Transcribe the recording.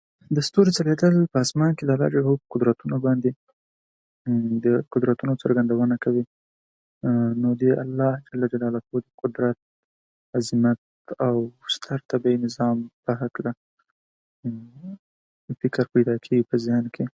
پښتو ژبه د نړئ د لويو ژبو سره بايد سيال شي